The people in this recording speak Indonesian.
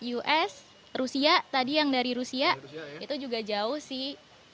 us rusia tadi yang dari rusia itu juga jauh sih